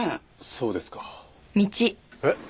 そうですか。えっ？